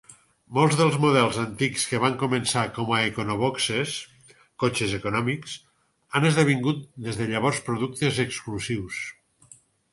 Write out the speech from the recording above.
Molts dels models antics que van començar com a econoboxes -cotxes econòmics- han esdevingut des de llavors productes exclusius.